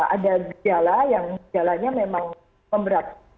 ada gejala yang gejalanya memang memberat